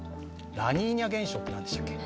ラニーニャ現象ってなんでしたっけ？